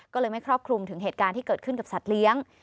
ก็เลยไม่ครอบคลุมถึงเหตุการณ์ที่เกิดขึ้นกับสัตว์เลี้ยง